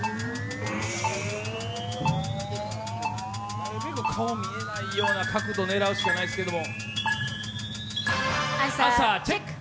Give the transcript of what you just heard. なるべく顔見えないような角度狙うしかないですけど。